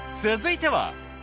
続いては。